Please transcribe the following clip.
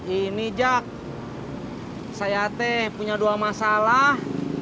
ini jak saya teh punya dua masalah